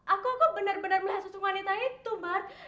aku benar benar melihat sosok wanita itu bart